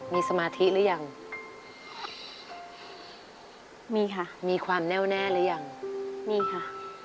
มีสมาธิหรือยังมีค่ะมีความแน่วแน่หรือยังมีค่ะ